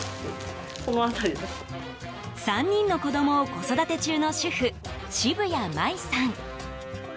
３人の子供を子育て中の主婦渋谷麻衣さん。